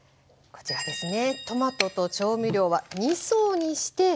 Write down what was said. こちらですね。